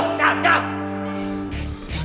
kal kal kal